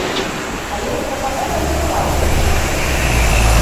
Але іх прапанова не была ўлічаная.